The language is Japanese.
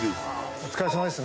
お疲れさまです。